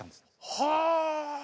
はあ。